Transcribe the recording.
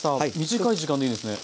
短い時間でいいんですね。